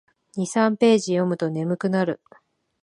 二三ページ読むと眠くなる